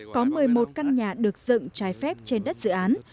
có một mươi một căn nhà được dựng trái phép trên đất dự án